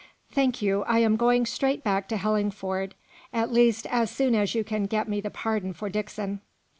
"Thank you. I am going straight back to Hellingford; at least, as soon as you can get me the pardon for Dixon."